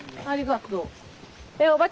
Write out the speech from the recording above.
ありがとう。